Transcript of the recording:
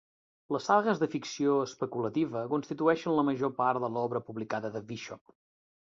Les sagues de ficció especulativa constitueixen la major part de l'obra publicada de Bishop.